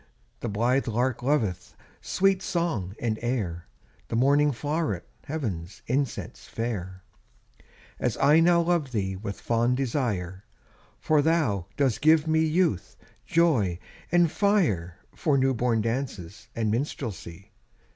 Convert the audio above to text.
The blithe lark loveth Sweet song and air, The morning flow'ret Heav'n's incense fair, As I now love thee With fond desire, For thou dost give me Youth, joy, and fire, For new born dances And minstrelsy.